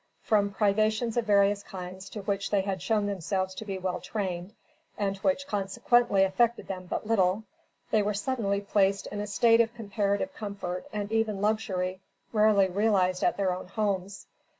From privations of various kinds, to which they had shown themselves to be well trained, and which consequently affected them but little, they were suddenly placed in a state of comparative comfort and even luxury rarely realized at their own homes.